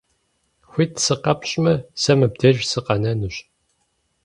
Хуит сыкъэпщӀмэ, сэ мыбдеж сыкъэнэнущ.